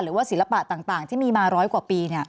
ศิลปะต่างที่มีมาร้อยกว่าปี